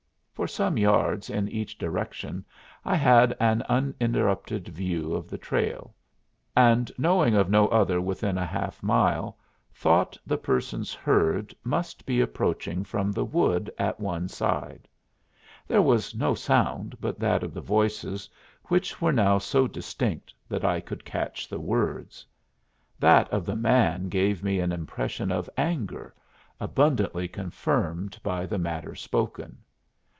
For some yards in each direction I had an uninterrupted view of the trail, and knowing of no other within a half mile thought the persons heard must be approaching from the wood at one side. There was no sound but that of the voices, which were now so distinct that I could catch the words. That of the man gave me an impression of anger, abundantly confirmed by the matter spoken.